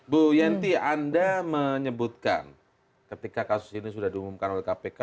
bu yenti anda menyebutkan ketika kasus ini sudah diumumkan oleh kpk